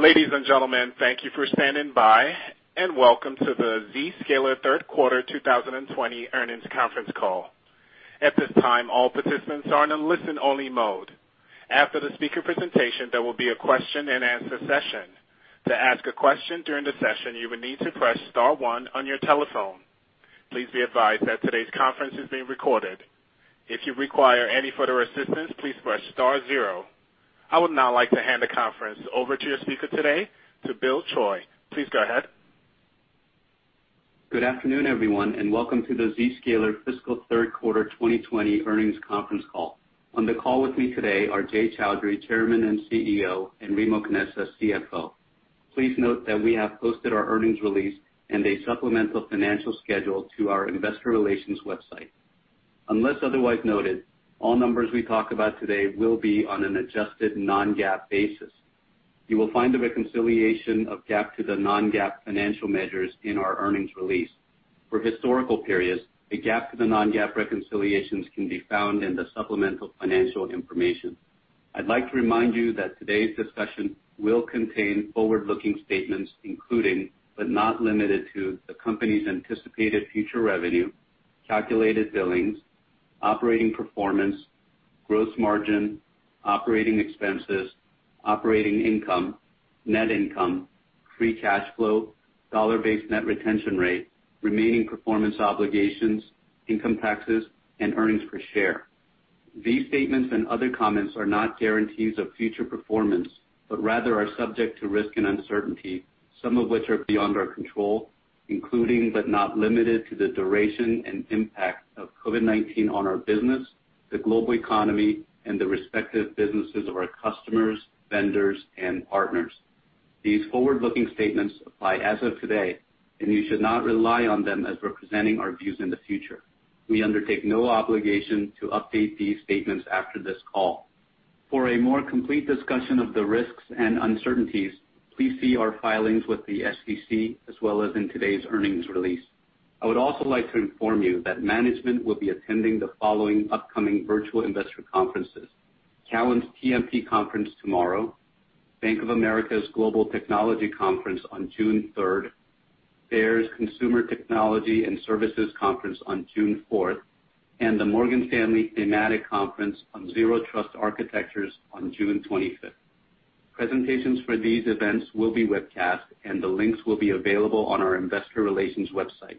Ladies and gentlemen, thank you for standing by, welcome to the Zscaler Q3 2020 Earnings Conference Call. At this time, all participants are in a listen-only mode. After the speaker presentation, there will be a question-and-answer session. To ask a question during the session, you will need to press star one on your telephone. Please be advised that today's conference is being recorded. If you require any further assistance, please press star zero. I would now like to hand the conference over to your speaker today, to Bill Choi. Please go ahead. Good afternoon, everyone, and welcome to the Zscaler Fiscal Q3 2020 Earnings Conference Call. On the call with me today are Jay Chaudhry, Chairman and CEO, and Remo Canessa, CFO. Please note that we have posted our earnings release and a supplemental financial schedule to our investor relations website. Unless otherwise noted, all numbers we talk about today will be on an adjusted non-GAAP basis. You will find the reconciliation of GAAP to the non-GAAP financial measures in our earnings release. For historical periods, the GAAP to the non-GAAP reconciliations can be found in the supplemental financial information. I'd like to remind you that today's discussion will contain forward-looking statements, including, but not limited to, the company's anticipated future revenue, calculated billings, operating performance, gross margin, operating expenses, operating income, net income, free cash flow, dollar-based net retention rate, remaining performance obligations, income taxes and earnings per share. These statements and other comments are not guarantees of future performance, but rather are subject to risk and uncertainty, some of which are beyond our control, including, but not limited to, the duration and impact of COVID-19 on our business, the global economy, and the respective businesses of our customers, vendors and partners. These forward-looking statements apply as of today, and you should not rely on them as representing our views in the future. We undertake no obligation to update these statements after this call. For a more complete discussion of the risks and uncertainties, please see our filings with the SEC, as well as in today's earnings release. I would also like to inform you that management will be attending the following upcoming virtual investor conferences. Cowen's TMT Conference tomorrow, Bank of America's Global Technology Conference on June 3rd, Baird's Consumer Technology and Services Conference on June 4th, and the Morgan Stanley Thematic Conference on Zero Trust Architectures on June 25th. Presentations for these events will be webcast. The links will be available on our investor relations website.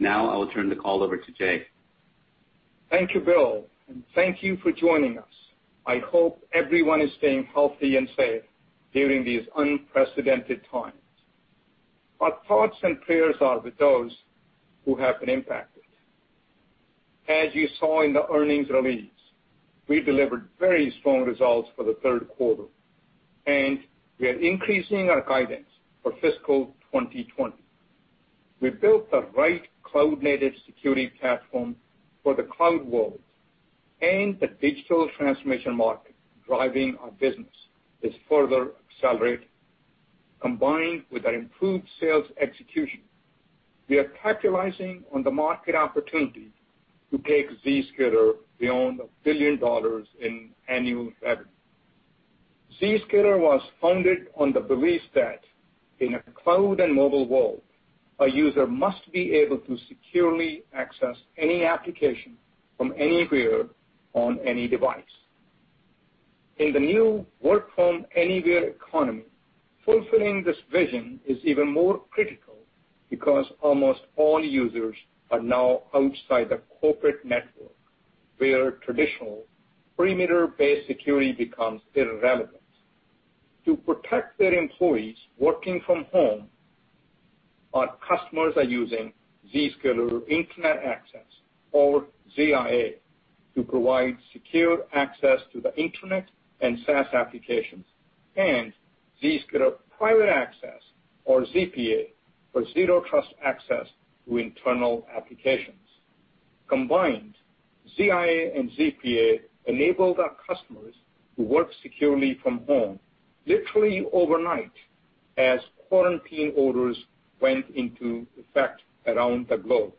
Now I will turn the call over to Jay. Thank you, Bill, and thank you for joining us. I hope everyone is staying healthy and safe during these unprecedented times. Our thoughts and prayers are with those who have been impacted. As you saw in the earnings release, we delivered very strong results for the Q3, and we are increasing our guidance for fiscal 2020. We built the right cloud-native security platform for the cloud world and the digital transformation market, driving our business. It's further accelerated, combined with our improved sales execution. We are capitalizing on the market opportunity to take Zscaler beyond a billion dollars in annual revenue. Zscaler was founded on the belief that in a cloud and mobile world, a user must be able to securely access any application from anywhere on any device. In the new work-from-anywhere economy, fulfilling this vision is even more critical because almost all users are now outside the corporate network, where traditional perimeter-based security becomes irrelevant. To protect their employees working from home, our customers are using Zscaler Internet Access or ZIA to provide secure access to the Internet and SaaS applications and Zscaler Private Access or ZPA for zero trust access to internal applications. Combined, ZIA and ZPA enabled our customers to work securely from home literally overnight as quarantine orders went into effect around the globe.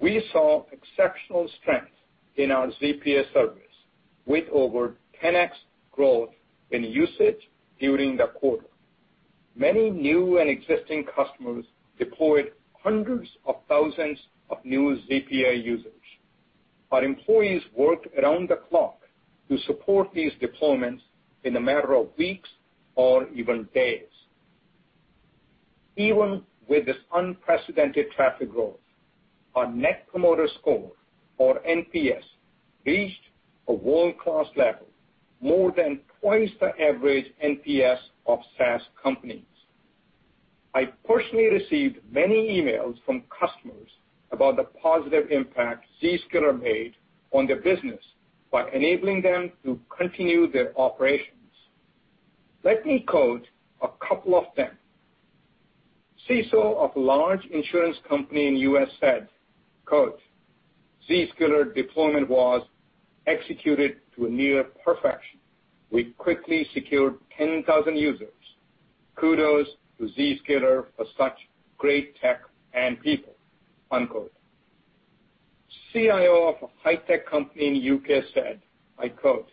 We saw exceptional strength in our ZPA service, with over 10x growth in usage during the quarter. Many new and existing customers deployed hundreds of thousands of new ZPA users. Our employees worked around the clock to support these deployments in a matter of weeks or even days. Even with this unprecedented traffic growth, our Net Promoter Score or NPS reached a world-class level, more than twice the average NPS of SaaS companies. I personally received many emails from customers about the positive impact Zscaler made on their business by enabling them to continue their operations. Let me quote a couple of them. CISO of large insurance company in U.S. said, quote, "Zscaler deployment was executed to a near perfection. We quickly secured 10,000 users. Kudos to Zscaler for such great tech and people." Unquote. CIO of a high-tech company in U.K. said, I quote,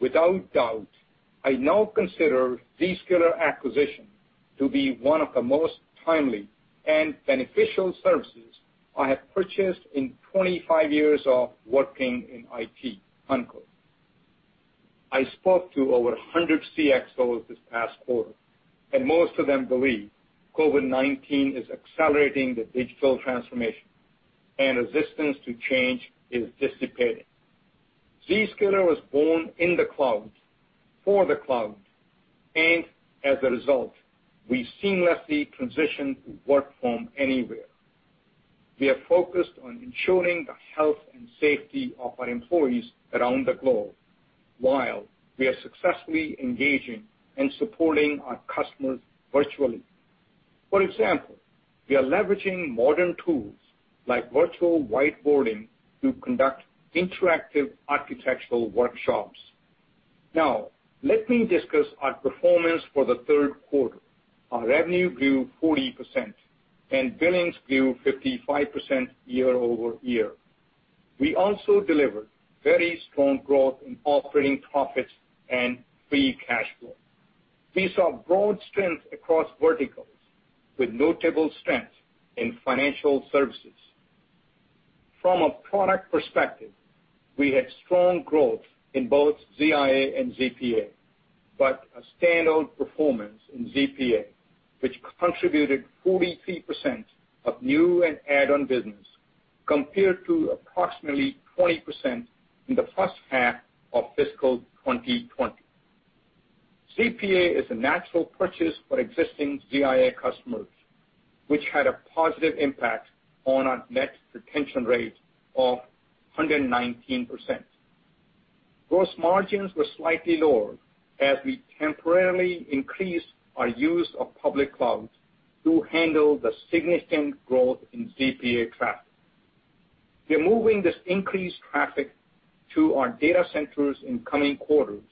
"Without doubt, I now consider Zscaler acquisition to be one of the most timely and beneficial services I have purchased in 25 years of working in IT." unquote. I spoke to over 100 CXOs this past quarter, and most of them believe COVID-19 is accelerating the digital transformation and resistance to change is dissipating. Zscaler was born in the cloud, for the cloud. As a result, we seamlessly transition to work from anywhere. We are focused on ensuring the health and safety of our employees around the globe while we are successfully engaging and supporting our customers virtually. For example, we are leveraging modern tools like virtual whiteboarding to conduct interactive architectural workshops. Let me discuss our performance for the Q3. Our revenue grew 40% and billings grew 55% year-over-year. We also delivered very strong growth in operating profits and free cash flow. We saw broad strength across verticals with notable strength in financial services. From a product perspective, we had strong growth in both ZIA and ZPA, a standout performance in ZPA, which contributed 43% of new and add-on business compared to approximately 20% in the H1 of fiscal 2020. ZPA is a natural purchase for existing ZIA customers, which had a positive impact on our net retention rate of 119%. Gross margins were slightly lower as we temporarily increased our use of public cloud to handle the significant growth in ZPA traffic. We're moving this increased traffic to our data centers in coming quarters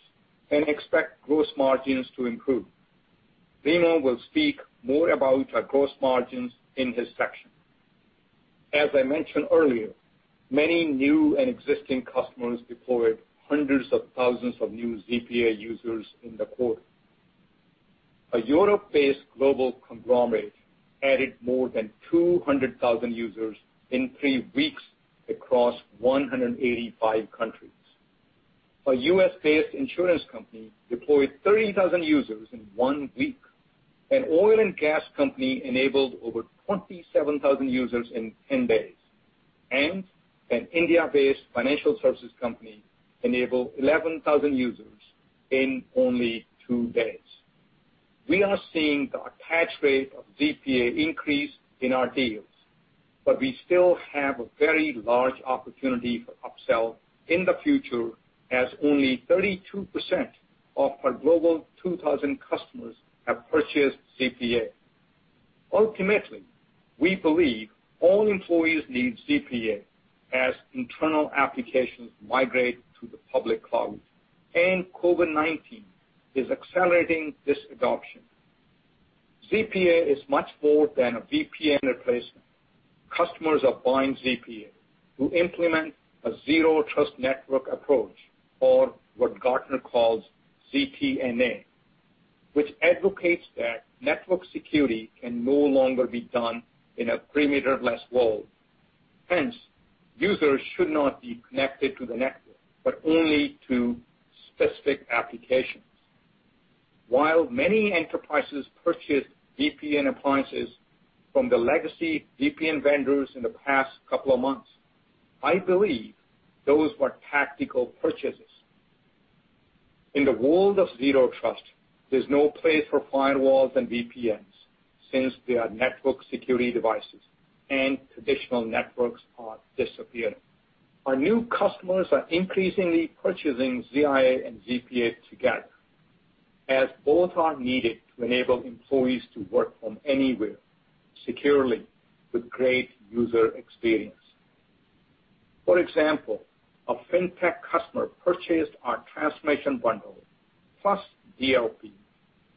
and expect gross margins to improve. Remo will speak more about our gross margins in his section. As I mentioned earlier, many new and existing customers deployed hundreds of thousands of new ZPA users in the quarter. A Europe-based global conglomerate added more than 200,000 users in three weeks across 185 countries. A U.S.-based insurance company deployed 30,000 users in one week. An oil and gas company enabled over 27,000 users in 10 days. An India-based financial services company enabled 11,000 users in only two days. We are seeing the attach rate of ZPA increase in our deals, but we still have a very large opportunity for upsell in the future as only 32% of our Global 2,000 customers have purchased ZPA. Ultimately, we believe all employees need ZPA as internal applications migrate to the public cloud and COVID-19 is accelerating this adoption. ZPA is much more than a VPN replacement. Customers are buying ZPA to implement a Zero Trust Network Approach or what Gartner calls ZTNA, which advocates that network security can no longer be done in a perimeter-less world. Users should not be connected to the network, but only to specific applications. While many enterprises purchased VPN appliances from the legacy VPN vendors in the past couple of months, I believe those were tactical purchases. In the world of Zero Trust, there's no place for firewalls and VPNs since they are network security devices and traditional networks are disappearing. Our new customers are increasingly purchasing ZIA and ZPA together as both are needed to enable employees to work from anywhere securely with great user experience. For example, a fintech customer purchased our transformation bundle plus DLP,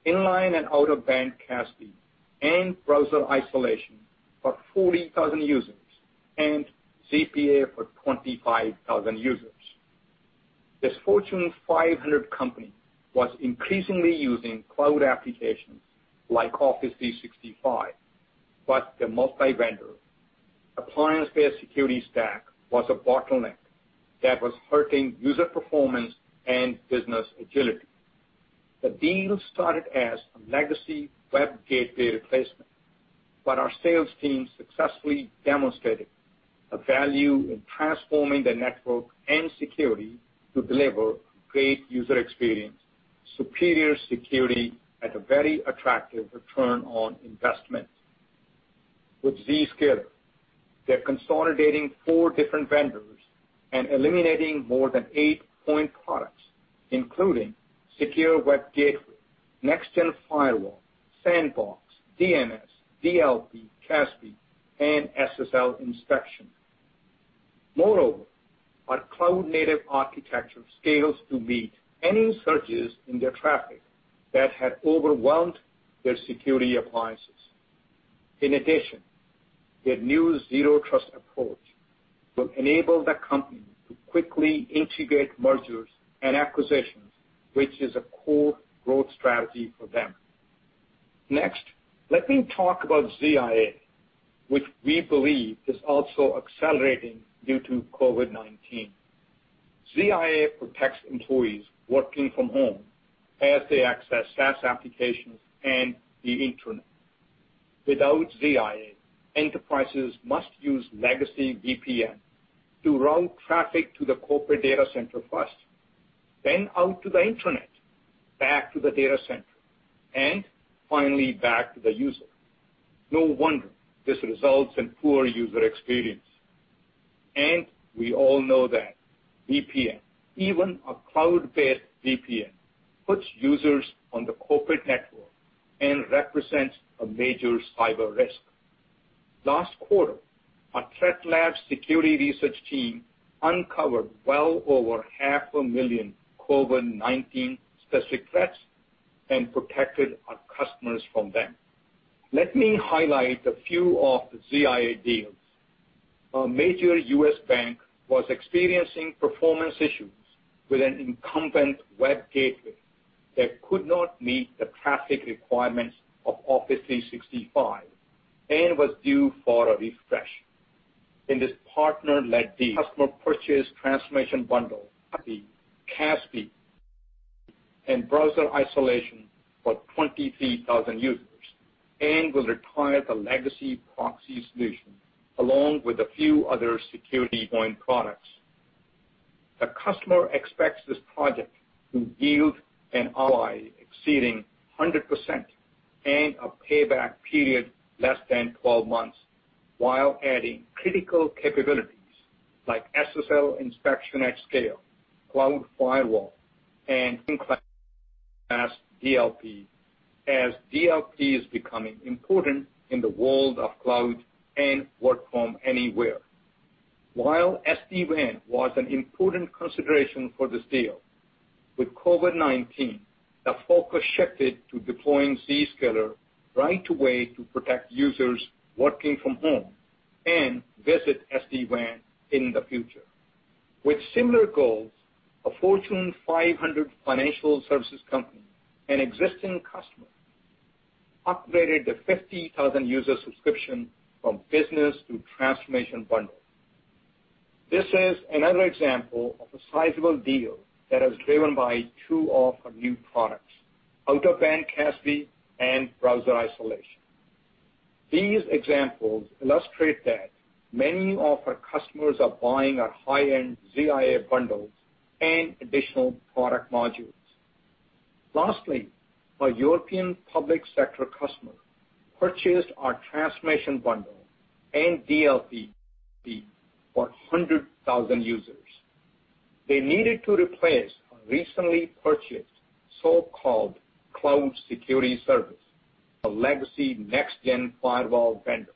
inline and out-of-band CASB, and browser isolation for 40,000 users and ZPA for 25,000 users. This Fortune 500 company was increasingly using cloud applications like Office 365. The multi-vendor appliance-based security stack was a bottleneck that was hurting user performance and business agility. The deal started as a legacy web gateway replacement. Our sales team successfully demonstrated a value in transforming the network and security to deliver great user experience, superior security at a very attractive return on investment. With Zscaler, they're consolidating four different vendors and eliminating more than eight point products, including secure web gateway, next-gen firewall, sandbox, DNS, DLP, CASB, and SSL inspection. Moreover, our cloud-native architecture scales to meet any surges in their traffic that had overwhelmed their security appliances. In addition, their new zero trust approach will enable the company to quickly integrate mergers and acquisitions, which is a core growth strategy for them. Next, let me talk about ZIA, which we believe is also accelerating due to COVID-19. ZIA protects employees working from home as they access SaaS applications and the internet. Without ZIA, enterprises must use legacy VPN to route traffic to the corporate data center first, then out to the internet, back to the data center, and finally back to the user. No wonder this results in poor user experience. We all know that VPN, even a cloud-based VPN, puts users on the corporate network and represents a major cyber risk. Last quarter, our ThreatLabz security research team uncovered well over 500,000 COVID-19 specific threats and protected our customers from them. Let me highlight a few of the ZIA deals. A major U.S. bank was experiencing performance issues with an incumbent web gateway that could not meet the traffic requirements of Office 365 and was due for a refresh. In this partner-led deal, customer purchased transformation bundle, the CASB, and browser isolation for 23,000 users and will retire the legacy proxy solution along with a few other security point products. The customer expects this project to yield an ROI exceeding 100% and a payback period less than 12 months while adding critical capabilities like SSL inspection at scale, cloud firewall, and in-cloud DLP, as DLP is becoming important in the world of cloud and work from anywhere. While SD-WAN was an important consideration for this deal, with COVID-19, the focus shifted to deploying Zscaler right away to protect users working from home and visit SD-WAN in the future. With similar goals, a Fortune 500 financial services company, an existing customer, upgraded the 50,000 user subscription from business to transformation bundle. This is another example of a sizable deal that is driven by two of our new products, out-of-band CASB and browser isolation. These examples illustrate that many of our customers are buying our high-end ZIA bundles and additional product modules. Lastly, a European public sector customer purchased our transformation bundle and DLP for 100,000 users. They needed to replace a recently purchased so-called cloud security service, a legacy next-gen firewall vendor.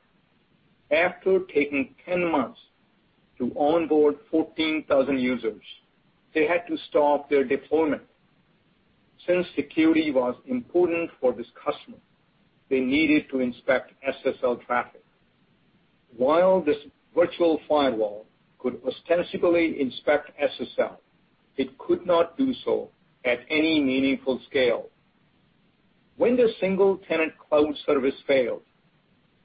After taking 10 months to onboard 14,000 users, they had to stop their deployment. Since security was important for this customer, they needed to inspect SSL traffic. While this virtual firewall could ostensibly inspect SSL, it could not do so at any meaningful scale. When the single-tenant cloud service failed,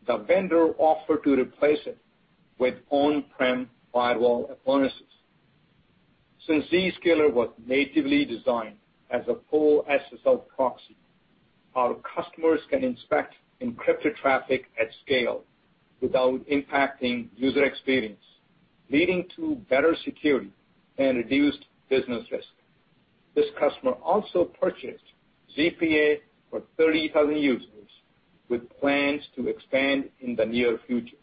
the vendor offered to replace it with on-prem firewall appliances. Since Zscaler was natively designed as a full SSL proxy, our customers can inspect encrypted traffic at scale without impacting user experience, leading to better security and reduced business risk. This customer also purchased ZPA for 30,000 users with plans to expand in the near future.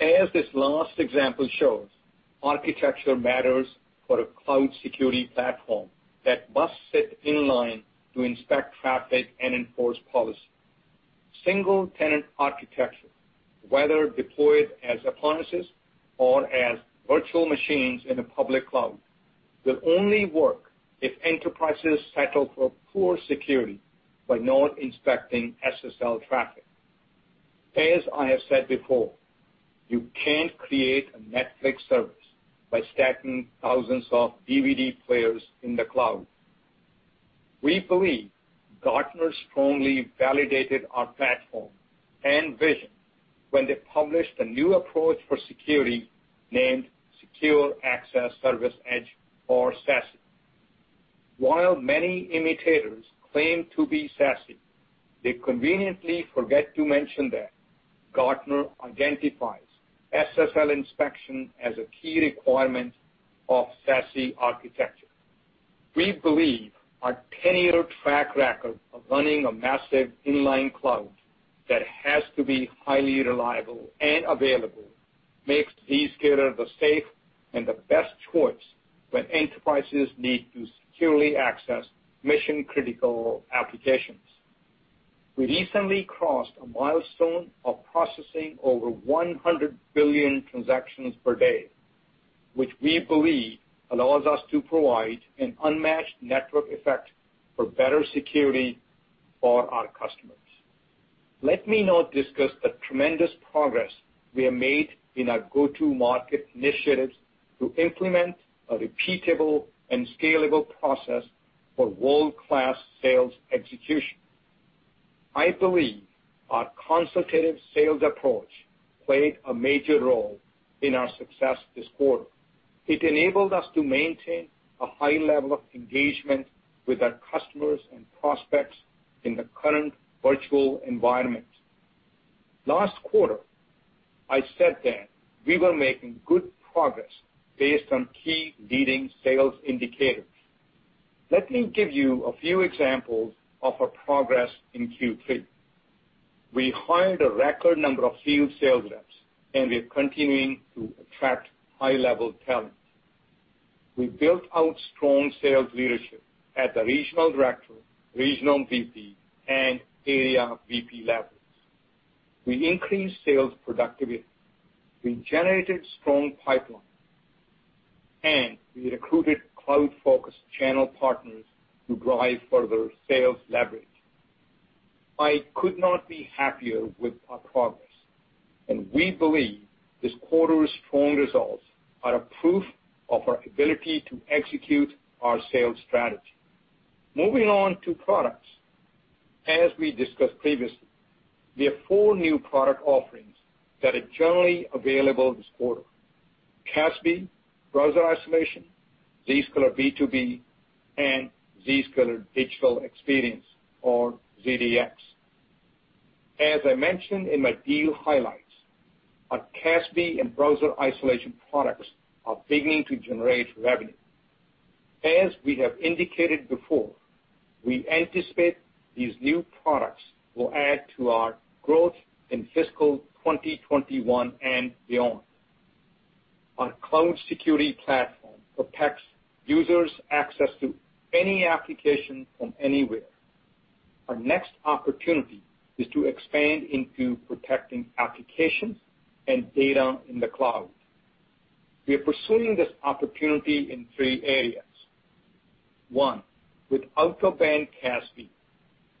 As this last example shows, architecture matters for a cloud security platform that must sit in line to inspect traffic and enforce policy. Single-tenant architecture, whether deployed as appliances or as virtual machines in a public cloud, will only work if enterprises settle for poor security by not inspecting SSL traffic. As I have said before, you can't create a Netflix service by stacking thousands of DVD players in the cloud. We believe Gartner strongly validated our platform and vision when they published a new approach for security named Secure Access Service Edge, or SASE. While many imitators claim to be SASE, they conveniently forget to mention that Gartner identifies SSL inspection as a key requirement of SASE architecture. We believe our tenured track record of running a massive inline cloud that has to be highly reliable and available makes Zscaler the safe and the best choice when enterprises need to securely access mission-critical applications. We recently crossed a milestone of processing over 100 billion transactions per day, which we believe allows us to provide an unmatched network effect for better security for our customers. Let me now discuss the tremendous progress we have made in our go-to-market initiatives to implement a repeatable and scalable process for world-class sales execution. I believe our consultative sales approach played a major role in our success this quarter. It enabled us to maintain a high level of engagement with our customers and prospects in the current virtual environment. Last quarter, I said that we were making good progress based on key leading sales indicators. Let me give you a few examples of our progress in Q3. We hired a record number of field sales reps, and we're continuing to attract high-level talent. We built out strong sales leadership at the regional director, regional VP, and area VP levels. We increased sales productivity. We generated strong pipeline, and we recruited cloud-focused channel partners to drive further sales leverage. I could not be happier with our progress, and we believe this quarter's strong results are a proof of our ability to execute our sales strategy. Moving on to products. As we discussed previously, we have four new product offerings that are generally available this quarter. CASB, Browser Isolation, Zscaler B2B, and Zscaler Digital Experience or ZDX. As I mentioned in my deal highlights, our CASB and Browser Isolation products are beginning to generate revenue. As we have indicated before, we anticipate these new products will add to our growth in fiscal 2021 and beyond. Our cloud security platform protects users' access to any application from anywhere. Our next opportunity is to expand into protecting applications and data in the cloud. We are pursuing this opportunity in three areas. One, with out-of-band CASB,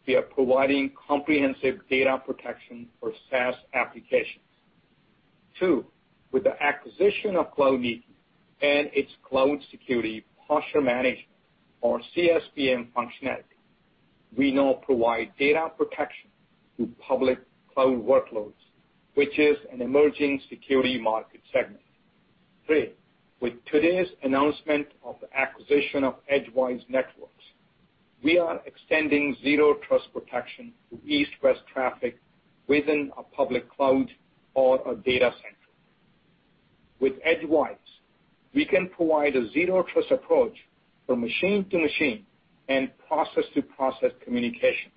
we are providing comprehensive data protection for SaaS applications. Two, with the acquisition of Cloudneeti and its Cloud Security Posture Management or CSPM functionality, we now provide data protection to public cloud workloads, which is an emerging security market segment. Three, with today's announcement of the acquisition of Edgewise Networks, we are extending zero trust protection to east-west traffic within a public cloud or a data center. With Edgewise, we can provide a zero trust approach from machine to machine and process to process communications.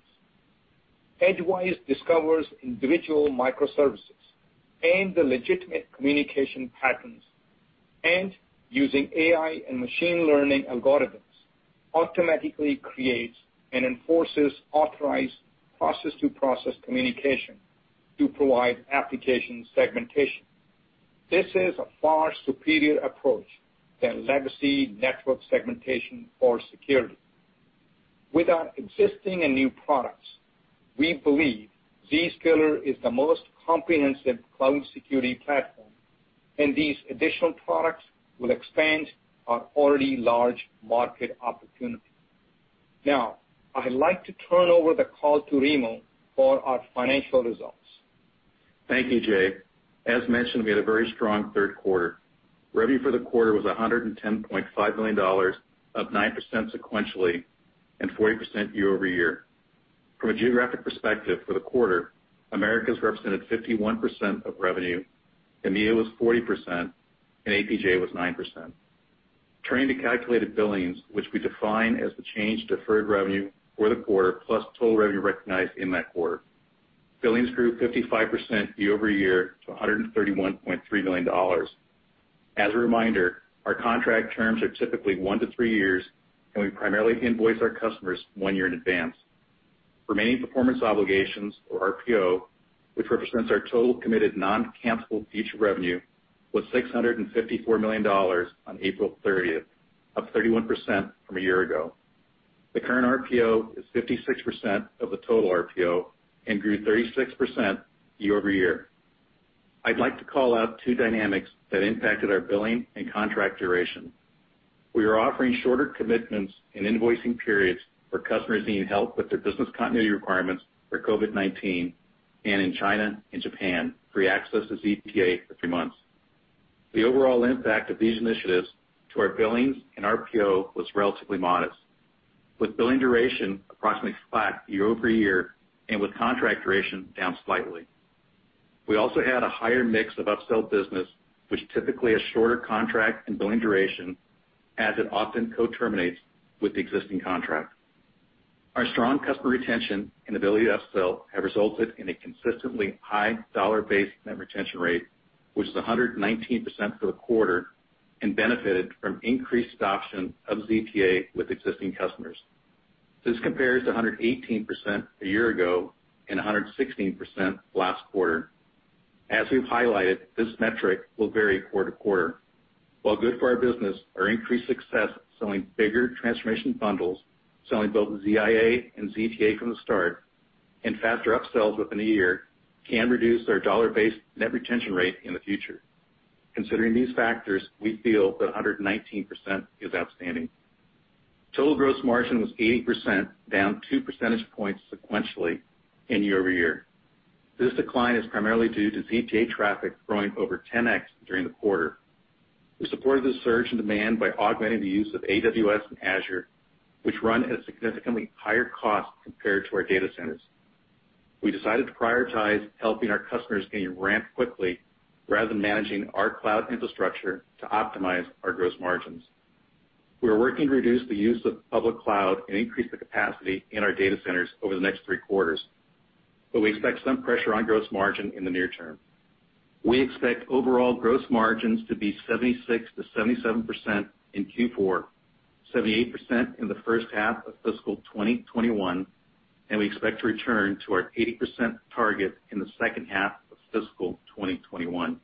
Edgewise discovers individual microservices and the legitimate communication patterns, and using AI and machine learning algorithms, automatically creates and enforces authorized process-to-process communication to provide application segmentation. This is a far superior approach than legacy network segmentation for security. With our existing and new products, we believe Zscaler is the most comprehensive cloud security platform, and these additional products will expand our already large market opportunity. Now, I'd like to turn over the call to Remo for our financial results. Thank you, Jay. As mentioned, we had a very strong Q3. Revenue for the quarter was $110.5 million, up 9% sequentially and 40% year-over-year. From a geographic perspective for the quarter, Americas represented 51% of revenue, EMEA was 40%, and APJ was 9%. Turning to calculated billings, which we define as the change deferred revenue for the quarter, plus total revenue recognized in that quarter. Billings grew 55% year-over-year to $131.3 million. As a reminder, our contract terms are typically one to three years, and we primarily invoice our customers one year in advance. Remaining performance obligations or RPO, which represents our total committed non-cancellable future revenue, was $654 million on April 30th, up 31% from a year ago. The current RPO is 56% of the total RPO and grew 36% year-over-year. I'd like to call out two dynamics that impacted our billing and contract duration. We are offering shorter commitments and invoicing periods for customers needing help with their business continuity requirements for COVID-19, and in China and Japan, free access to ZPA for three months. The overall impact of these initiatives to our billings and RPO was relatively modest, with billing duration approximately flat year-over-year and with contract duration down slightly. We also had a higher mix of upsell business, which typically has shorter contract and billing duration as it often co-terminates with the existing contract. Our strong customer retention and ability to upsell have resulted in a consistently high dollar-based net retention rate, which is 119% for the quarter and benefited from increased adoption of ZPA with existing customers. This compares to 118% a year ago and 116% last quarter. As we've highlighted, this metric will vary quarter-to-quarter. While good for our business, our increased success selling bigger transformation bundles, selling both ZIA and ZPA from the start, and faster upsells within a year can reduce our dollar-based net retention rate in the future. Considering these factors, we feel that 119% is outstanding. Total gross margin was 80%, down 2 percentage points sequentially and year-over-year. This decline is primarily due to ZPA traffic growing over 10x during the quarter. We supported the surge in demand by augmenting the use of AWS and Azure, which run at a significantly higher cost compared to our data centers. We decided to prioritize helping our customers getting ramped quickly rather than managing our cloud infrastructure to optimize our gross margins. We are working to reduce the use of public cloud and increase the capacity in our data centers over the next three quarters. We expect some pressure on gross margin in the near term. We expect overall gross margins to be 76%-77% in Q4, 78% in the H1 of fiscal 2021, and we expect to return to our 80% target in the H2 of fiscal 2021.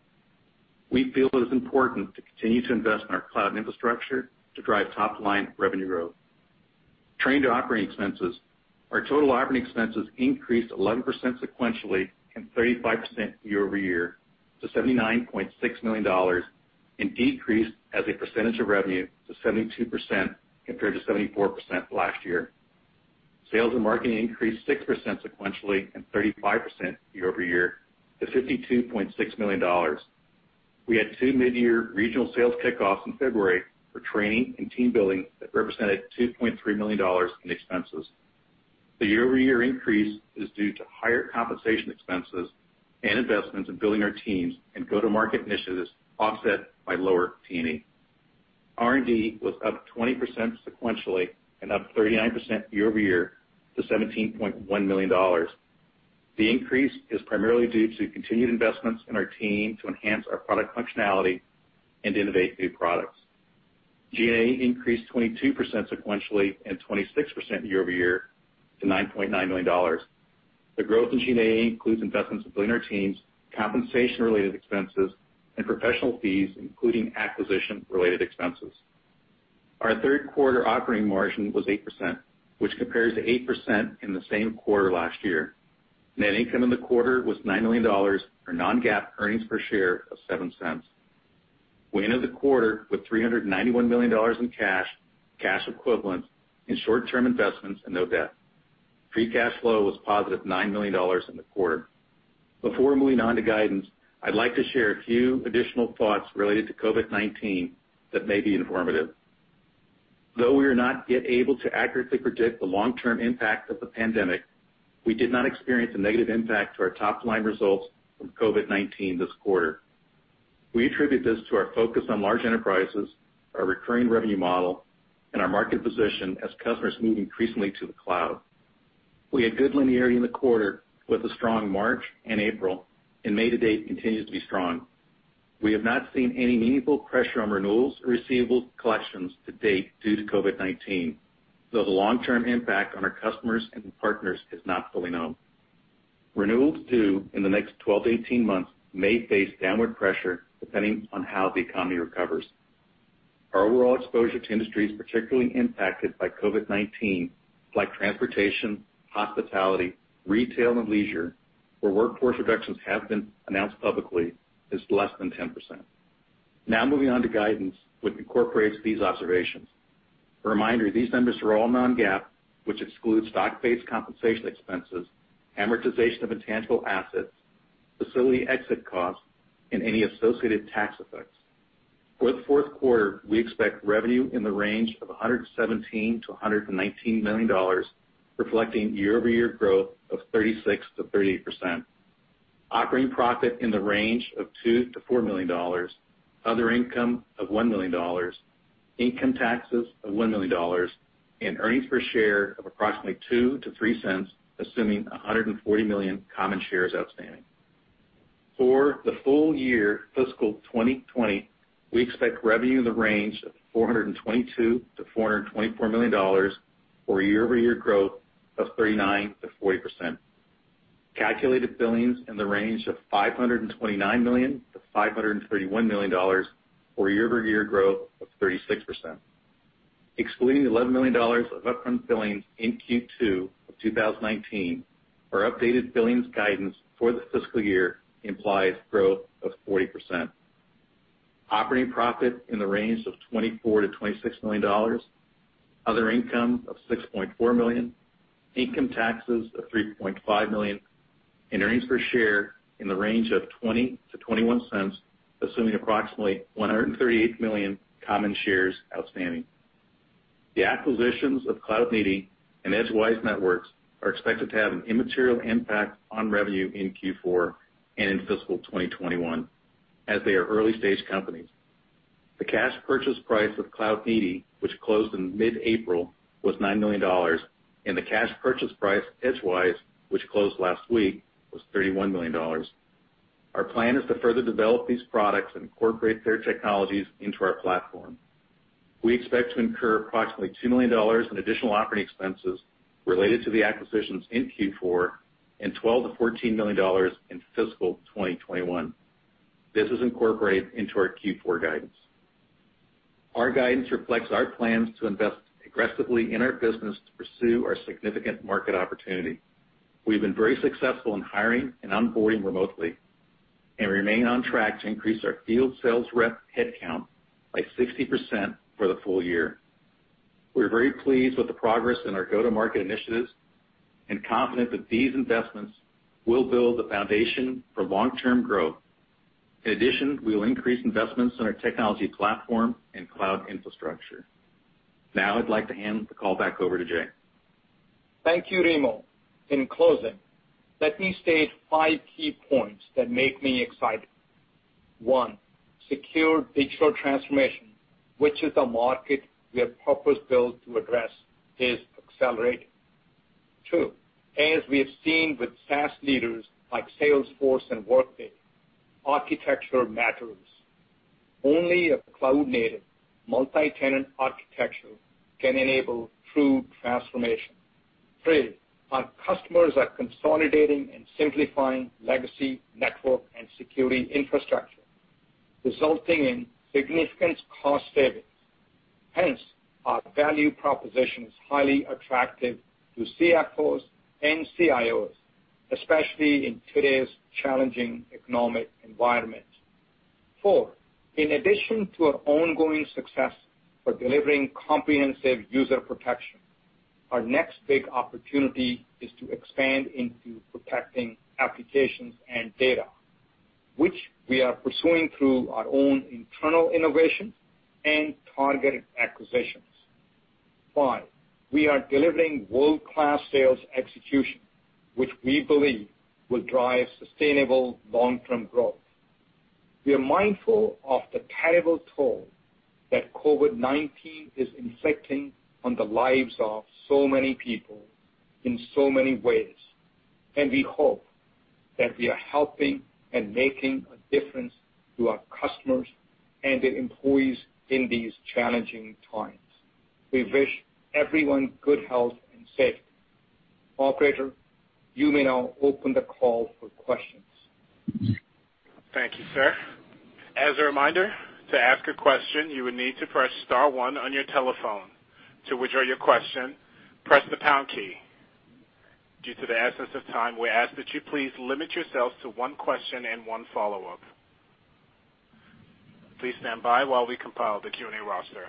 We feel it is important to continue to invest in our cloud infrastructure to drive top-line revenue growth. Turning to operating expenses. Our total operating expenses increased 11% sequentially and 35% year-over-year to $79.6 million and decreased as a percentage of revenue to 72% compared to 74% last year. Sales and marketing increased 6% sequentially and 35% year-over-year to $52.6 million. We had two midyear regional sales kickoffs in February for training and team building that represented $2.3 million in expenses. The year-over-year increase is due to higher compensation expenses and investments in building our teams and go-to-market initiatives offset by lower T&E. R&D was up 20% sequentially and up 39% year-over-year to $17.1 million. The increase is primarily due to continued investments in our team to enhance our product functionality and innovate new products. G&A increased 22% sequentially and 26% year-over-year to $9.9 million. The growth in G&A includes investments in building our teams, compensation-related expenses and professional fees, including acquisition-related expenses. Our Q3 operating margin was 8%, which compares to 8% in the same quarter last year. Net income in the quarter was $9 million, or non-GAAP earnings per share of $0.07. We ended the quarter with $391 million in cash equivalents in short-term investments, and no debt. Free cash flow was positive $9 million in the quarter. Before moving on to guidance, I'd like to share a few additional thoughts related to COVID-19 that may be informative. Though we are not yet able to accurately predict the long-term impact of the pandemic, we did not experience a negative impact to our top-line results from COVID-19 this quarter. We attribute this to our focus on large enterprises, our recurring revenue model, and our market position as customers move increasingly to the cloud. We had good linearity in the quarter with a strong March and April, and May to date continues to be strong. We have not seen any meaningful pressure on renewals or receivable collections to date due to COVID-19, though the long-term impact on our customers and partners is not fully known. Renewals due in the next 12-18 months may face downward pressure depending on how the economy recovers. Our overall exposure to industries particularly impacted by COVID-19, like transportation, hospitality, retail, and leisure, where workforce reductions have been announced publicly, is less than 10%. Now moving on to guidance, which incorporates these observations. A reminder, these numbers are all non-GAAP, which exclude stock-based compensation expenses, amortization of intangible assets, facility exit costs, and any associated tax effects. For the Q4, we expect revenue in the range of $117 million-$119 million, reflecting year-over-year growth of 36%-38%. Operating profit in the range of $2 million-$4 million. Other income of $1 million. Income taxes of $1 million. Earnings per share of approximately $0.02-$0.03, assuming 140 million common shares outstanding. For the full year fiscal 2020, we expect revenue in the range of $422 million-$424 million, or year-over-year growth of 39%-40%. Calculated billings in the range of $529 million-$531 million, or year-over-year growth of 36%. Excluding the $11 million of upfront billings in Q2 of 2019, our updated billings guidance for the fiscal year implies growth of 40%. Operating profit in the range of $24 million-$26 million. Other income of $6.4 million. Income taxes of $3.5 million. Earnings per share in the range of $0.20-$0.21, assuming approximately 138 million common shares outstanding. The acquisitions of Cloudneeti and Edgewise Networks are expected to have an immaterial impact on revenue in Q4 and in fiscal 2021, as they are early-stage companies. The cash purchase price of Cloudneeti, which closed in mid-April, was $9 million. The cash purchase price, Edgewise, which closed last week, was $31 million. Our plan is to further develop these products and incorporate their technologies into our platform. We expect to incur approximately $2 million in additional operating expenses related to the acquisitions in Q4 and $12 million-$14 million in fiscal 2021. This is incorporated into our Q4 guidance. Our guidance reflects our plans to invest aggressively in our business to pursue our significant market opportunity. We've been very successful in hiring and onboarding remotely and remain on track to increase our field sales rep headcount by 60% for the full year. We're very pleased with the progress in our go-to-market initiatives and confident that these investments will build the foundation for long-term growth. In addition, we will increase investments in our technology platform and cloud infrastructure. Now I'd like to hand the call back over to Jay. Thank you, Remo. In closing, let me state five key points that make me excited. One, secure digital transformation, which is a market we are purpose-built to address, is accelerating. Two, as we have seen with SaaS leaders like Salesforce and Workday, architecture matters. Only a cloud-native multi-tenant architecture can enable true transformation. Three, our customers are consolidating and simplifying legacy network and security infrastructure, resulting in significant cost savings. Hence, our value proposition is highly attractive to CFOs and CIOs, especially in today's challenging economic environment. Four, in addition to our ongoing success for delivering comprehensive user protection, our next big opportunity is to expand into protecting applications and data, which we are pursuing through our own internal innovation and targeted acquisitions. Five, we are delivering world-class sales execution, which we believe will drive sustainable long-term growth. We are mindful of the terrible toll that COVID-19 is inflicting on the lives of so many people in so many ways, and we hope that we are helping and making a difference to our customers and their employees in these challenging times. We wish everyone good health and safety. Operator, you may now open the call for questions. Thank you, sir. As a reminder, to ask a question, you will need to press star one on your telephone. To withdraw your question, press the pound key. Due to the essence of time, we ask that you please limit yourselves to one question and one follow-up. Please stand by while we compile the Q&A roster.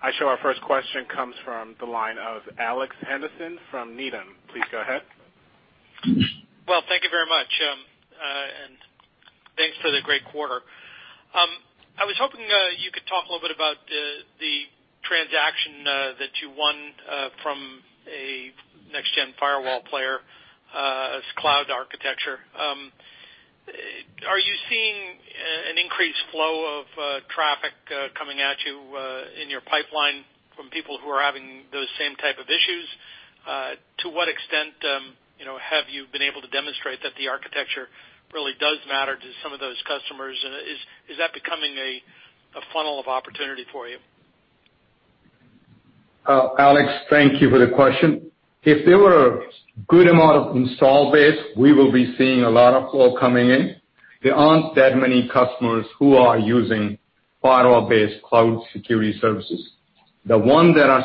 I show our first question comes from the line of Alex Henderson from Needham. Please go ahead. Well, thank you very much. Thanks for the great quarter. I was hoping you could talk a little bit about the transaction that you won from a next-gen firewall player as cloud architecture. Are you seeing an increased flow of traffic coming at you in your pipeline from people who are having those same type of issues? To what extent have you been able to demonstrate that the architecture really does matter to some of those customers, and is that becoming a funnel of opportunity for you? Alex, thank you for the question. If there were a good amount of install base, we will be seeing a lot of flow coming in. There aren't that many customers who are using firewall-based cloud security services. The one that has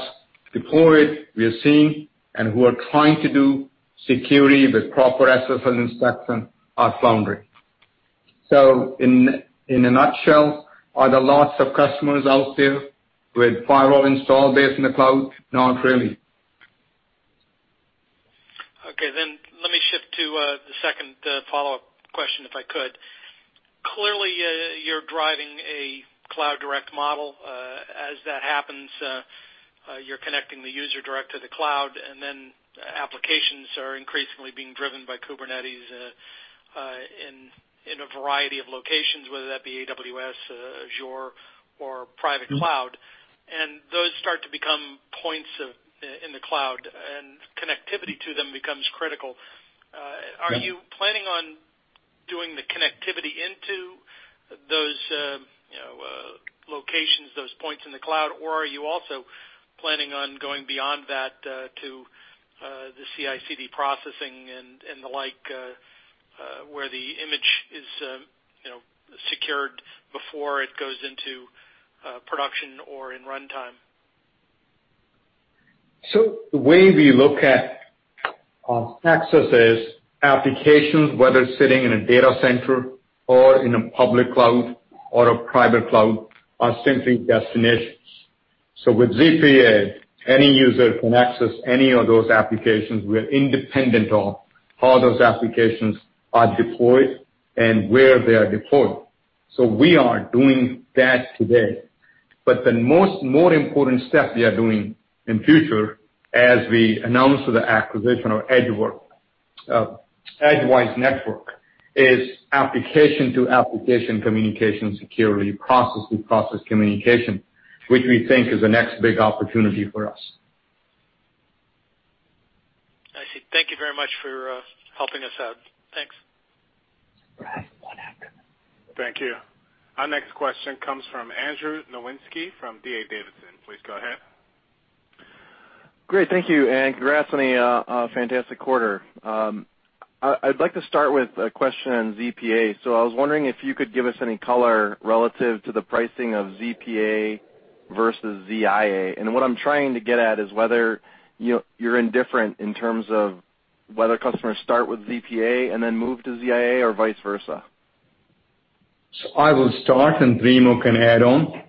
deployed, we are seeing, and who are trying to do security with proper SSL inspection are floundering. In a nutshell, are there lots of customers out there with firewall install base in the cloud? Not really. Okay. Let me shift to the second follow-up question, if I could. Clearly, you're driving a cloud direct model. As that happens, you're connecting the user direct to the cloud, applications are increasingly being driven by Kubernetes in a variety of locations, whether that be AWS, Azure, or private cloud. Those start to become points in the cloud, and connectivity to them becomes critical. Yeah. Are you planning on doing the connectivity into those locations, those points in the cloud, or are you also planning on going beyond that to the CI/CD processing and the like, where the image is secured before it goes into production or in runtime? The way we look at access is applications, whether it's sitting in a data center or in a public cloud or a private cloud, are simply destinations. With ZPA, any user can access any of those applications. We are independent of how those applications are deployed and where they are deployed. We are doing that today. The more important step we are doing in future, as we announced with the acquisition of Edgewise Networks is application-to-application communication security, process-to-process communication, which we think is the next big opportunity for us. I see. Thank you very much for helping us out. Thanks. Thank you. Our next question comes from Andrew Nowinski from D.A. Davidson. Please go ahead. Great. Thank you. Congrats on a fantastic quarter. I'd like to start with a question on ZPA. I was wondering if you could give us any color relative to the pricing of ZPA versus ZIA. What I'm trying to get at is whether you're indifferent in terms of whether customers start with ZPA and then move to ZIA or vice versa. I will start, and Remo can add on.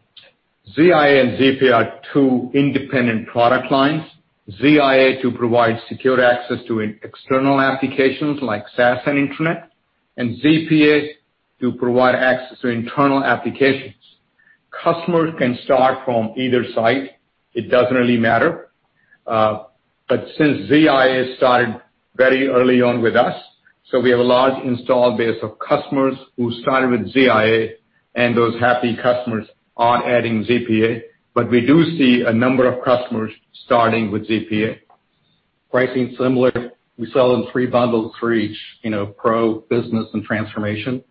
ZIA and ZPA are two independent product lines. ZIA to provide secure access to external applications like SaaS and internet, and ZPA to provide access to internal applications. Customers can start from either side. It doesn't really matter. Since ZIA started very early on with us, so we have a large install base of customers who started with ZIA, and those happy customers are adding ZPA. We do see a number of customers starting with ZPA. Pricing similar. We sell in three bundles for each, pro, business, and transformation.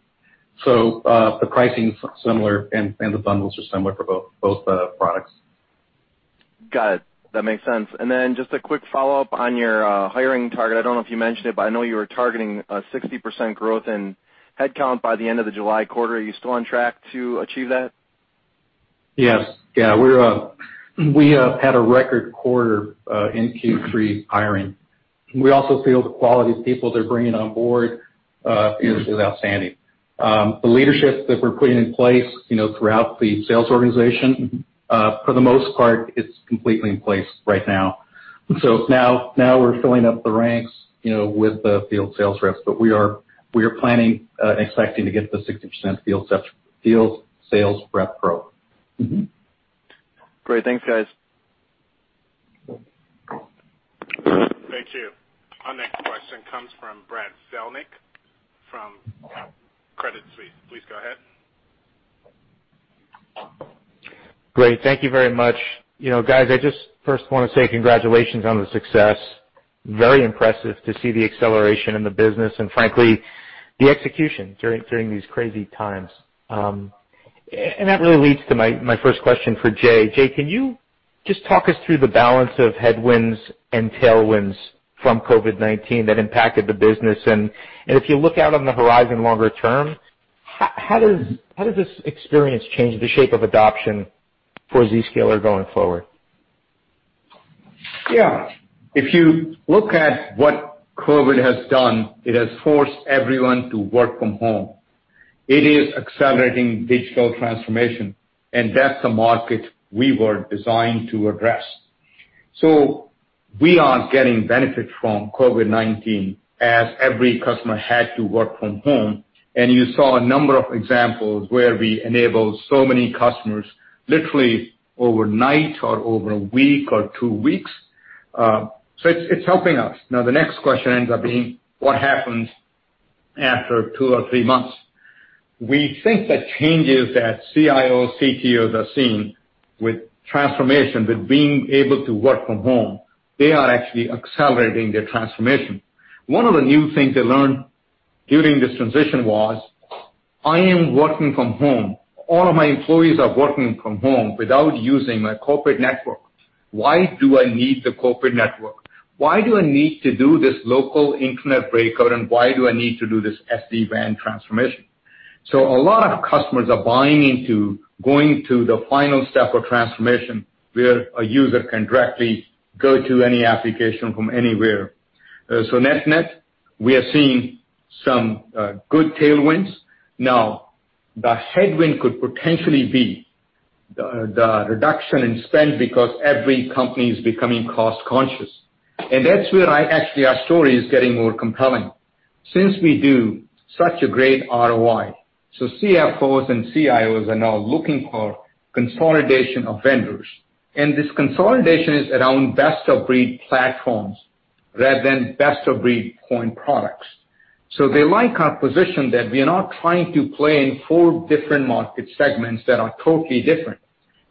The pricing is similar, and the bundles are similar for both products. Got it. That makes sense. Just a quick follow-up on your hiring target. I don't know if you mentioned it, but I know you were targeting a 60% growth in headcount by the end of the July quarter. Are you still on track to achieve that? Yes. We had a record quarter in Q3 hiring. We also feel the quality of people they're bringing on board is outstanding. The leadership that we're putting in place throughout the sales organization, for the most part, it's completely in place right now. Now we're filling up the ranks with the field sales reps. We are planning and expecting to get the 60% field sales rep growth. Great. Thanks, guys. Thank you. Our next question comes from Brad Zelnick from Credit Suisse. Please go ahead. Great. Thank you very much. Guys, I just first want to say congratulations on the success. Very impressive to see the acceleration in the business, and frankly, the execution during these crazy times. That really leads to my first question for Jay. Jay, can you just talk us through the balance of headwinds and tailwinds from COVID-19 that impacted the business? If you look out on the horizon longer term, how does this experience change the shape of adoption for Zscaler going forward? Yeah. If you look at what COVID-19 has done, it has forced everyone to work from home. It is accelerating digital transformation, that's the market we were designed to address. We are getting benefit from COVID-19 as every customer had to work from home, and you saw a number of examples where we enabled so many customers literally overnight or over a week or two weeks. It's helping us. Now, the next question ends up being what happens after two or three months? We think the changes that CIOs, CTOs are seeing with transformation, with being able to work from home, they are actually accelerating their transformation. One of the new things they learned during this transition was, I am working from home. All of my employees are working from home without using a corporate network. Why do I need the corporate network? Why do I need to do this local internet breakout, and why do I need to do this SD-WAN transformation? A lot of customers are buying into going to the final step of transformation, where a user can directly go to any application from anywhere. Net net, we are seeing some good tailwinds. The headwind could potentially be the reduction in spend because every company is becoming cost-conscious. That's where actually our story is getting more compelling. Since we do such a great ROI, CFOs and CIOs are now looking for consolidation of vendors. This consolidation is around best-of-breed platforms rather than best-of-breed point products. They like our position that we are not trying to play in four different market segments that are totally different,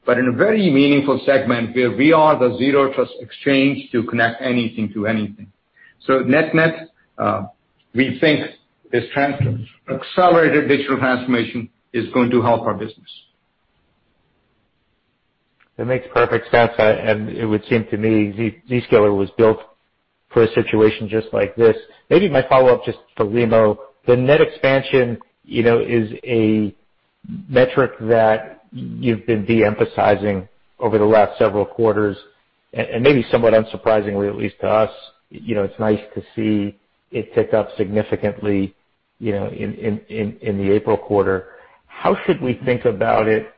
but in a very meaningful segment where we are the Zero Trust Exchange to connect anything to anything. Net net, we think this accelerated digital transformation is going to help our business. That makes perfect sense. It would seem to me Zscaler was built for a situation just like this. Maybe my follow-up just for Remo, the net expansion is a metric that you've been de-emphasizing over the last several quarters, and maybe somewhat unsurprisingly, at least to us, it's nice to see it tick up significantly in the April quarter. How should we think about it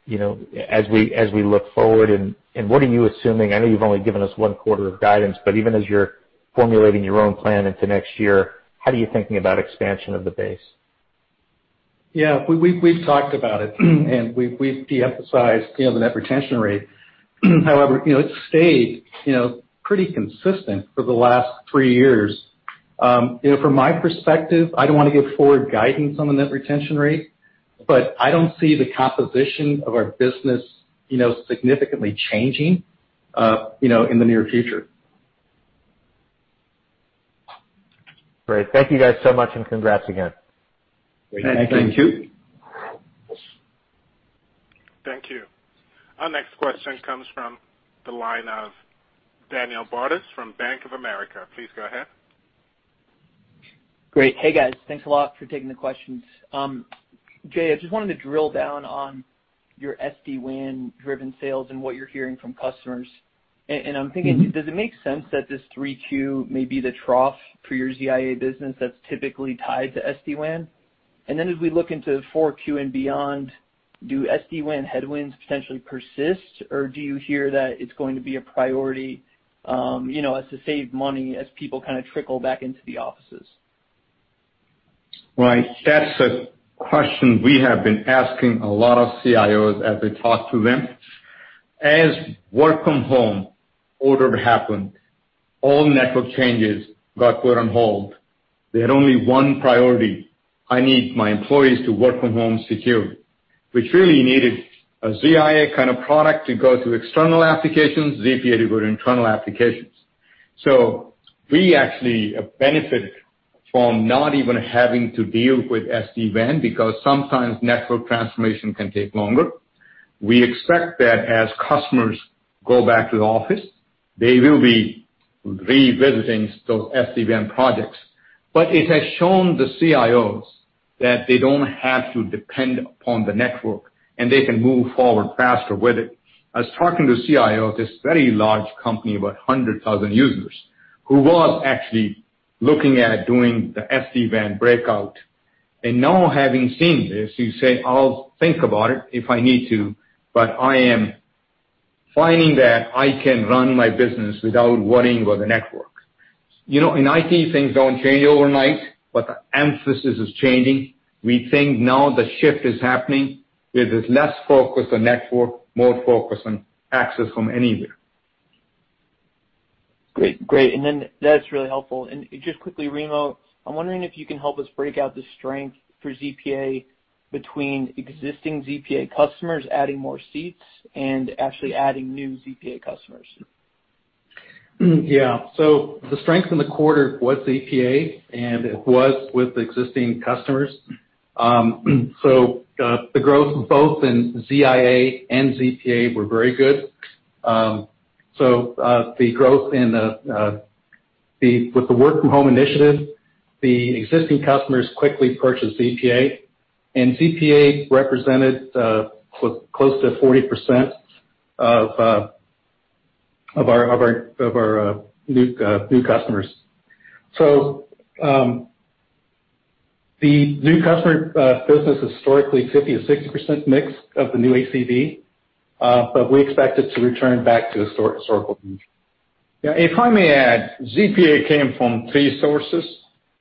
as we look forward, and what are you assuming? I know you've only given us one quarter of guidance, but even as you're formulating your own plan into next year, how are you thinking about expansion of the base? Yeah. We've talked about it, and we've de-emphasized the net retention rate. However, it's stayed pretty consistent for the last three years. From my perspective, I don't want to give forward guidance on the net retention rate, but I don't see the composition of our business significantly changing in the near future. Great. Thank you guys so much, and congrats again. Thank you. Thank you. Thank you. Our next question comes from the line of Daniel Bartus from Bank of America. Please go ahead. Great. Hey, guys. Thanks a lot for taking the questions. Jay, I just wanted to drill down on your SD-WAN driven sales and what you're hearing from customers. I'm thinking, does it make sense that this Q3 may be the trough for your ZIA business that's typically tied to SD-WAN? Then as we look into Q4 and beyond, do SD-WAN headwinds potentially persist, or do you hear that it's going to be a priority as to save money as people kind of trickle back into the offices? Right. That's a question we have been asking a lot of CIOs as we talk to them. As work from home order happened, all network changes got put on hold. They had only one priority. I need my employees to work from home securely. We truly needed a ZIA kind of product to go to external applications, ZPA to go to internal applications. We actually benefited from not even having to deal with SD-WAN because sometimes network transformation can take longer. We expect that as customers go back to the office, they will be revisiting those SD-WAN projects. It has shown the CIOs that they don't have to depend upon the network, and they can move forward faster with it. I was talking to a CIO of this very large company, about 100,000 users, who was actually looking at doing the SD-WAN breakout. Now having seen this, he's saying, "I'll think about it if I need to, but I am finding that I can run my business without worrying about the network." In IT, things don't change overnight, but the emphasis is changing. We think now the shift is happening, where there's less focus on network, more focus on access from anywhere. Great. That's really helpful. Just quickly, Remo, I'm wondering if you can help us break out the strength for ZPA between existing ZPA customers adding more seats and actually adding new ZPA customers. Yeah. The strength in the quarter was ZPA, and it was with existing customers. The growth both in ZIA and ZPA were very good. The growth with the work from home initiative, the existing customers quickly purchased ZPA, and ZPA represented close to 40% of our new customers. The new customer business is historically 50%-60% mix of the new ACV, but we expect it to return back to historical means. Yeah, if I may add, ZPA came from three sources.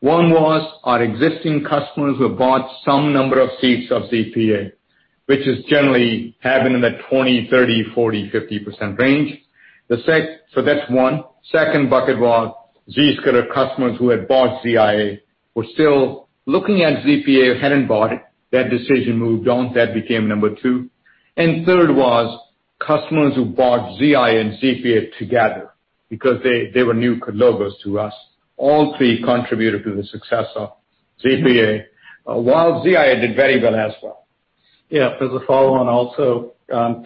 One was our existing customers who bought some number of seats of ZPA, which is generally having in the 20%, 30%, 40%, 50% range. That's one. Second bucket was Zscaler customers who had bought ZIA were still looking at ZPA or hadn't bought it. That decision moved on. That became number two. Third was customers who bought ZIA and ZPA together because they were new logos to us. All three contributed to the success of ZPA, while ZIA did very well as well. Yeah. As a follow-on also,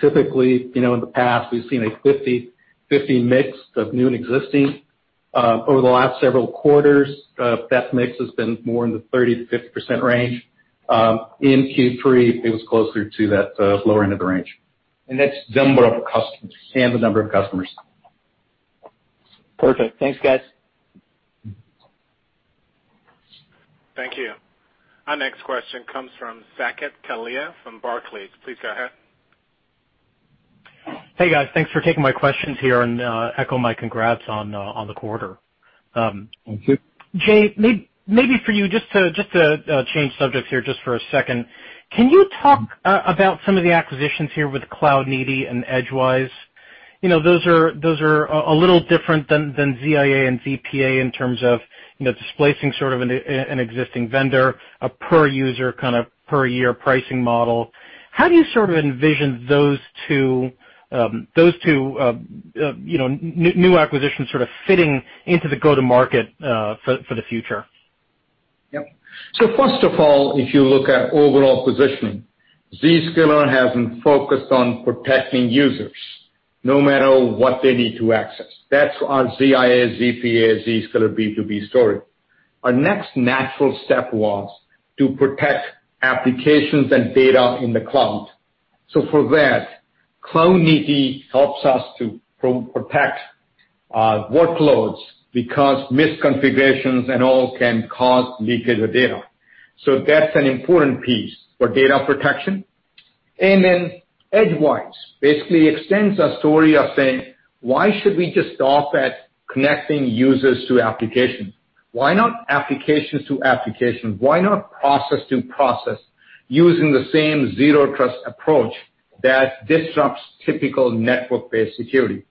typically, in the past, we've seen a 50/50 mix of new and existing. Over the last several quarters, that mix has been more in the 30%-50% range. In Q3, it was closer to that lower end of the range. That's number of customers. The number of customers. Perfect. Thanks, guys. Thank you. Our next question comes from Saket Kalia from Barclays. Please go ahead. Hey, guys. Thanks for taking my questions here and echo my congrats on the quarter. Thank you. Jay, maybe for you, just to change subjects here just for a second, can you talk about some of the acquisitions here with Cloudneeti and Edgewise? Those are a little different than ZIA and ZPA in terms of displacing sort of an existing vendor, a per user, kind of per year pricing model. How do you sort of envision those two new acquisitions sort of fitting into the go to market for the future? First of all, if you look at overall positioning, Zscaler has been focused on protecting users no matter what they need to access. That's our ZIA, ZPA, Zscaler B2B story. Our next natural step was to protect applications and data in the cloud. For that, Cloudneeti helps us to protect workloads because misconfigurations and all can cause leakage of data. That's an important piece for data protection. Then Edgewise basically extends our story of saying, why should we just stop at connecting users to applications? Why not applications to applications? Why not process to process using the same zero trust approach that disrupts typical network-based security?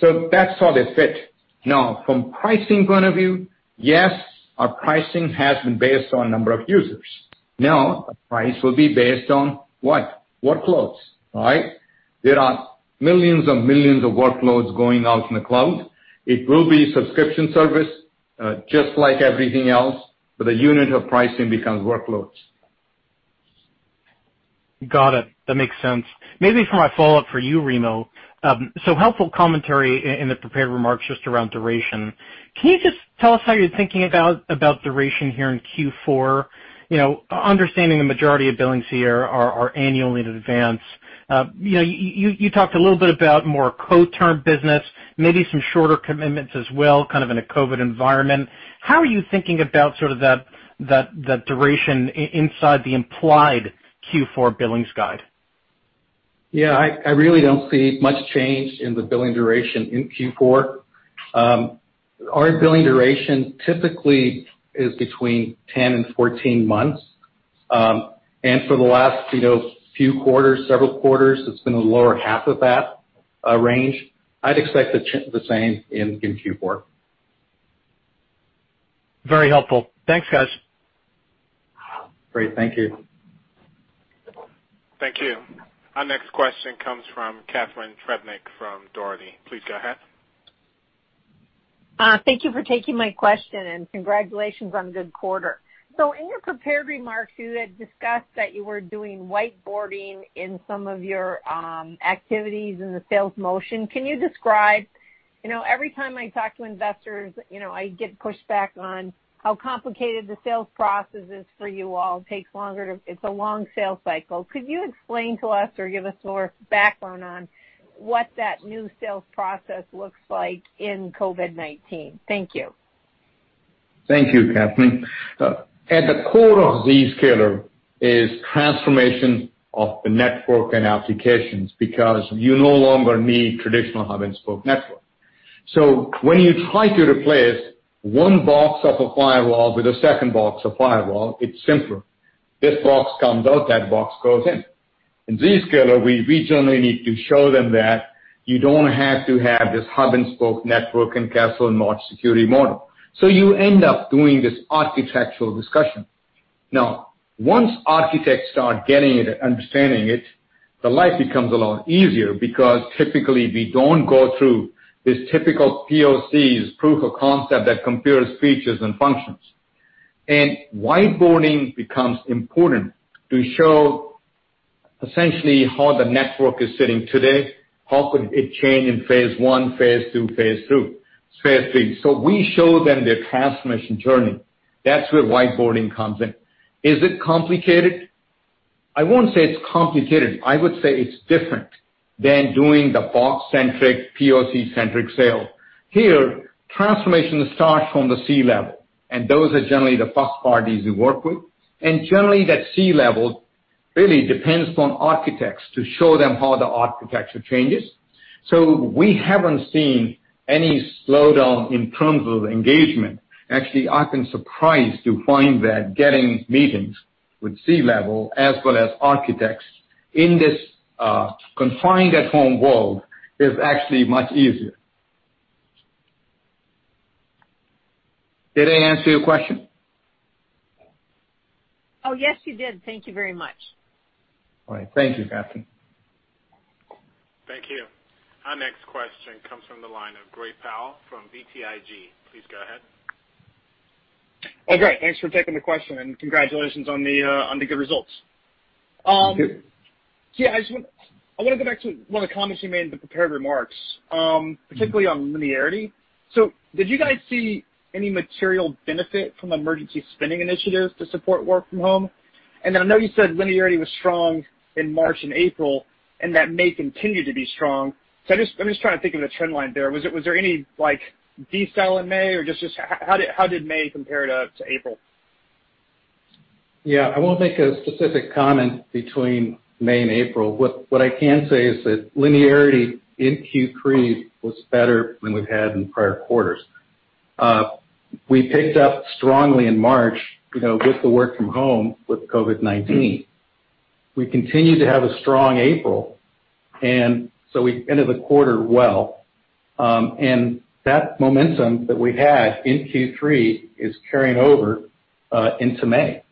That's how they fit. From pricing point of view, yes, our pricing has been based on number of users. The price will be based on what? Workloads. There are millions and millions of workloads going out in the cloud. It will be subscription service, just like everything else, but the unit of pricing becomes workloads. Got it. That makes sense. Maybe for my follow-up for you, Remo, helpful commentary in the prepared remarks just around duration. Can you just tell us how you're thinking about duration here in Q4? Understanding the majority of billings here are annually in advance. You talked a little bit about more co-term business, maybe some shorter commitments as well, kind of in a COVID environment. How are you thinking about the duration inside the implied Q4 billings guide? Yeah, I really don't see much change in the billing duration in Q4. Our billing duration typically is between 10 and 14 months. For the last few quarters, several quarters, it's been the lower half of that range. I'd expect the same in Q4. Very helpful. Thanks, guys. Great. Thank you. Thank you. Our next question comes from Catharine Trebnick from Dougherty. Please go ahead. Thank you for taking my question, and congratulations on a good quarter. In your prepared remarks, you had discussed that you were doing whiteboarding in some of your activities in the sales motion. Every time I talk to investors, I get pushback on how complicated the sales process is for you all. It's a long sales cycle. Could you explain to us or give us more background on what that new sales process looks like in COVID-19? Thank you. Thank you, Catharine. At the core of Zscaler is transformation of the network and applications, because you no longer need traditional hub and spoke network. When you try to replace one box of a firewall with a second box of firewall, it's simpler. This box comes out, that box goes in. In Zscaler, we generally need to show them that you don't have to have this hub and spoke network and castle and moat security model. You end up doing this architectural discussion. Once architects start getting it and understanding it, the life becomes a lot easier because typically, we don't go through this typical POCs, proof of concept, that compares features and functions. Whiteboarding becomes important to show essentially how the network is sitting today, how could it change in phase I, phase II, phase III. We show them their transformation journey. That's where whiteboarding comes in. Is it complicated? I won't say it's complicated. I would say it's different than doing the box-centric, POC-centric sale. Here, transformation starts from the C-level, and those are generally the first parties we work with. Generally, that C-level really depends on architects to show them how the architecture changes. We haven't seen any slowdown in terms of engagement. Actually, I've been surprised to find that getting meetings with C-level as well as architects in this confined at-home world is actually much easier. Did I answer your question? Oh, yes, you did. Thank Thank you very much. All right. Thank you, Catharine. Thank you. Our next question comes from the line of Gray Powell from BTIG. Please go ahead. Oh, great. Thanks for taking the question and congratulations on the good results. Thank you. Yeah, I want to go back to one of the comments you made in the prepared remarks, particularly on linearity. Did you guys see any material benefit from emergency spending initiatives to support work from home? I know you said linearity was strong in March and April, and that may continue to be strong. I'm just trying to think of the trend line there. Was there any decel in May or just how did May compare to April? Yeah. I won't make a specific comment between May and April. What I can say is that linearity in Q3 was better than we've had in prior quarters. We picked up strongly in March, with the work from home with COVID-19. We continued to have a strong April, and so we ended the quarter well. That momentum that we had in Q3 is carrying over into May,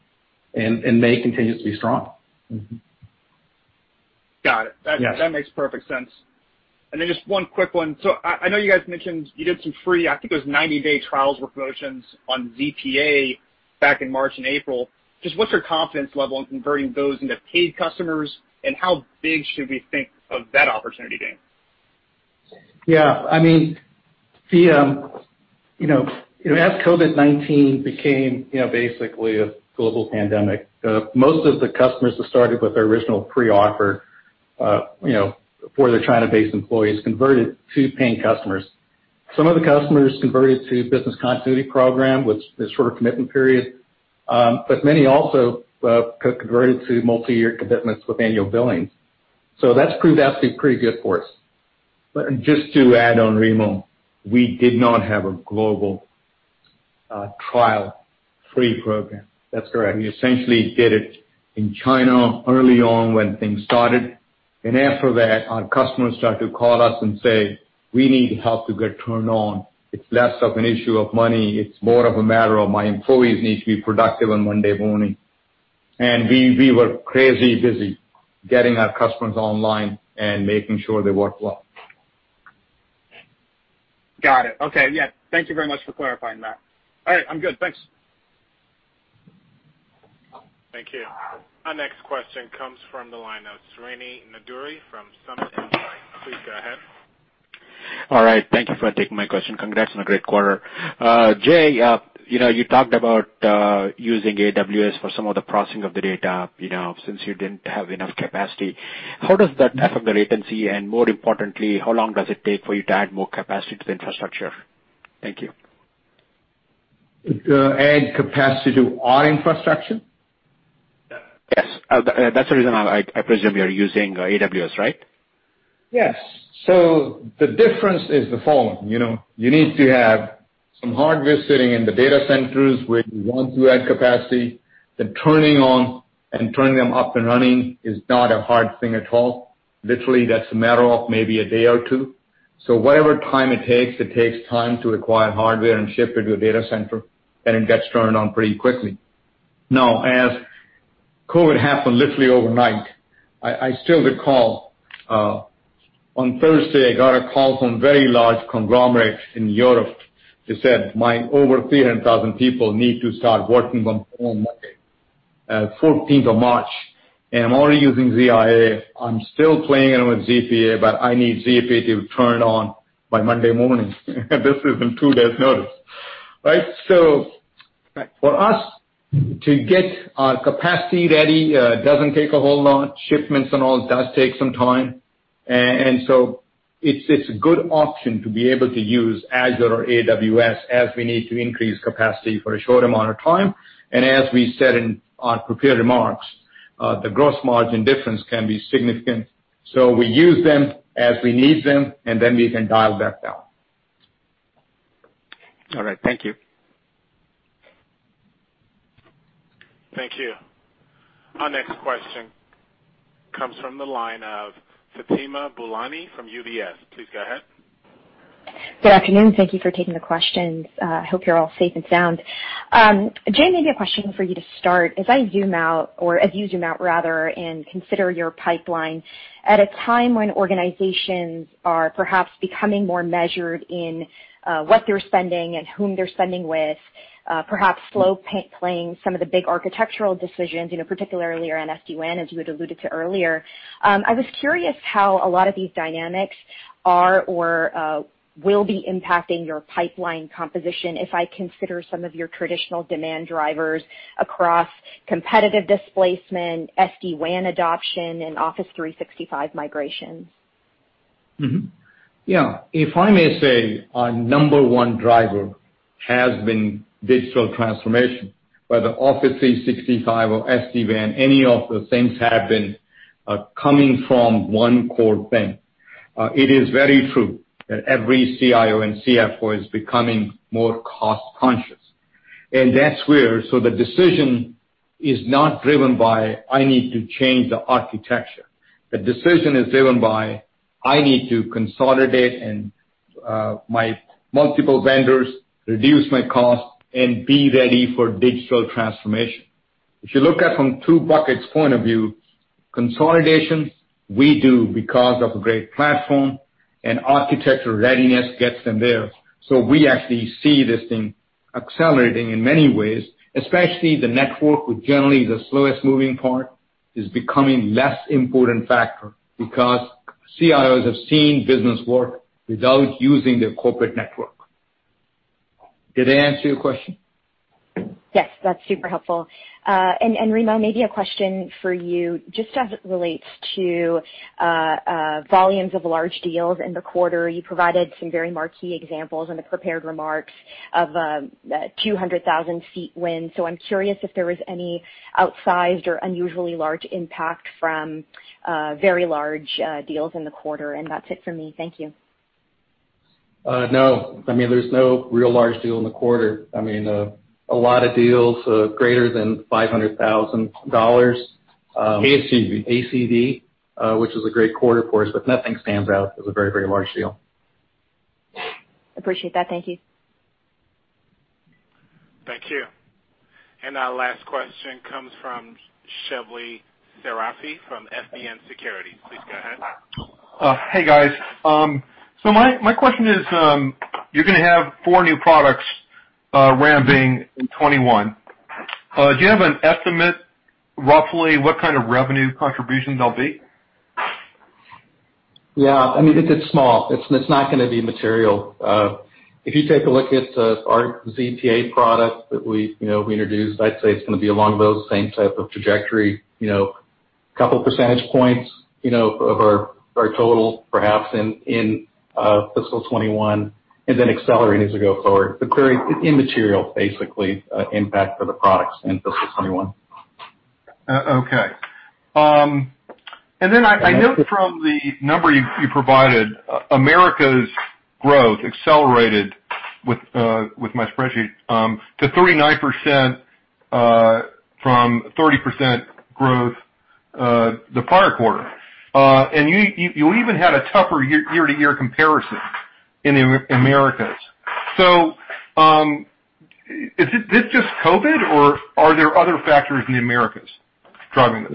and May continues to be strong. Got it. Yes. That makes perfect sense. Just one quick one. I know you guys mentioned you did some free, I think it was 90-day trials promotions on ZPA back in March and April. Just what's your confidence level in converting those into paid customers, and how big should we think of that opportunity gain? As COVID-19 became basically a global pandemic, most of the customers that started with our original pre-offer for their China-based employees converted to paying customers. Some of the customers converted to business continuity program with a sort of commitment period. Many also converted to multi-year commitments with annual billing. That's proved out to be pretty good for us. Just to add on, Remo, we did not have a global trial free program. That's correct. We essentially did it in China early on when things started. After that, our customers started to call us and say, "We need help to get turned on. It's less of an issue of money, it's more of a matter of my employees need to be productive on Monday morning." We were crazy busy getting our customers online and making sure they work well. Got it. Okay. Yeah, thank you very much for clarifying that. All right, I'm good. Thanks. Thank you. Our next question comes from the line of Srini Nanduri from SMBC Nikko. Please go ahead. All right. Thank you for taking my question. Congrats on a great quarter. Jay, you talked about using AWS for some of the processing of the data since you didn't have enough capacity. How does that affect the latency? More importantly, how long does it take for you to add more capacity to the infrastructure? Thank you. To add capacity to our infrastructure? Yes. That's the reason I presume you're using AWS, right? Yes. The difference is the following. You need to have some hardware sitting in the data centers where you want to add capacity, then turning on and turning them up and running is not a hard thing at all. Literally, that's a matter of maybe a day or two. Whatever time it takes, it takes time to acquire hardware and ship it to a data center, and it gets turned on pretty quickly. Now, as COVID happened literally overnight, I still recall, on Thursday, I got a call from a very large conglomerate in Europe that said, "My over 300,000 people need to start working from home on Monday, 14th of March. I'm already using ZIA. I'm still playing around with ZPA, but I need ZPA to turn it on by Monday morning." This is on two days' notice. Right? Right. for us to get our capacity ready, doesn't take a whole lot. Shipments and all does take some time. It's a good option to be able to use Azure or AWS as we need to increase capacity for a short amount of time. As we said in our prepared remarks, the gross margin difference can be significant. We use them as we need them, and then we can dial that down. All right. Thank you. Thank you. Our next question comes from the line of Fatima Boolani from UBS. Please go ahead. Good afternoon. Thank you for taking the questions. Hope you're all safe and sound. Jay, maybe a question for you to start. As I zoom out, or as you zoom out, rather, and consider your pipeline at a time when organizations are perhaps becoming more measured in what they're spending and whom they're spending with, perhaps slow playing some of the big architectural decisions, particularly around SD-WAN, as you had alluded to earlier. I was curious how a lot of these dynamics are or will be impacting your pipeline composition if I consider some of your traditional demand drivers across competitive displacement, SD-WAN adoption, and Office 365 migrations. Yeah. If I may say, our number one driver has been digital transformation, whether Office 365 or SD-WAN. Any of the things have been coming from one core thing. It is very true that every CIO and CFO is becoming more cost-conscious. The decision is not driven by, "I need to change the architecture." The decision is driven by, "I need to consolidate my multiple vendors, reduce my cost, and be ready for digital transformation." If you look at from two buckets point of view, consolidation, we do because of a great platform, and architecture readiness gets them there. We actually see this thing accelerating in many ways, especially the network, which generally is the slowest moving part, is becoming less important factor because CIOs have seen business work without using their corporate network. Did I answer your question? Yes. That's super helpful. Remo, maybe a question for you, just as it relates to volumes of large deals in the quarter. You provided some very marquee examples in the prepared remarks of a 200,000-seat win. I'm curious if there was any outsized or unusually large impact from very large deals in the quarter. That's it for me. Thank you. No. There's no real large deal in the quarter. A lot of deals greater than $500,000. ACV. ACV, which was a great quarter for us, but nothing stands out as a very, very large deal. Appreciate that. Thank you. Thank you. Our last question comes from Shebly Seyrafi from FBN Securities. Please go ahead. Hey, guys. My question is, you're going to have four new products ramping in 2021. Do you have an estimate, roughly, what kind of revenue contribution they'll be? Yeah. It's small. It's not going to be material. If you take a look at our ZPA product that we introduced, I'd say it's going to be along those same type of trajectory. A couple percentage points of our total, perhaps, in fiscal 2021, and then accelerates as we go forward. Immaterial, basically, impact for the products in fiscal 2021. Okay. I note from the number you provided, Americas growth accelerated, with my spreadsheet, to 39%, from 30% growth the prior quarter. You even had a tougher year-over-year comparison in Americas. Is this just COVID-19, or are there other factors in the Americas driving this?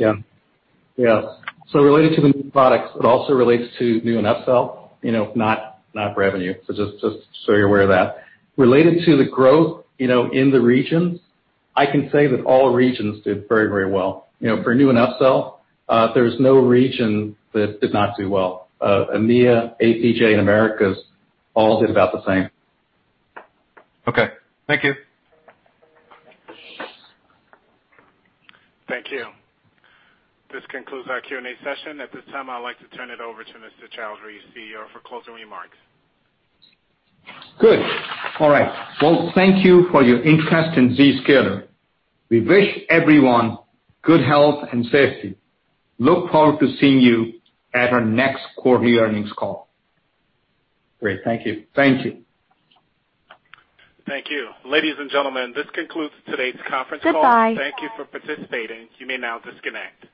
Yeah. Related to the new products, it also relates to new and upsell, not revenue. Just so you're aware of that. Related to the growth in the regions, I can say that all regions did very, very well. For new and upsell, there's no region that did not do well. EMEA, APJ, and Americas all did about the same. Okay. Thank you. Thank you. This concludes our Q&A session. At this time, I'd like to turn it over to Mr. Chaudhry, CEO, for closing remarks. Good. All right. Well, thank you for your interest in Zscaler. We wish everyone good health and safety. Look forward to seeing you at our next quarterly earnings call. Great. Thank you. Thank you. Thank you. Ladies and gentlemen, this concludes today's conference call. Bye-bye. Thank you for participating. You may now disconnect.